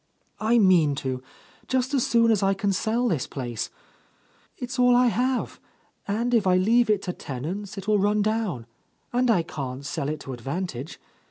"I mean to, just as soon as I can sell this place. It's all I have, and if I leave it to tenants it will run down, and I can't sell it to advantage.